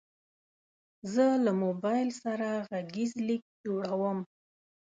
زه له موبایل سره غږیز لیک جوړوم.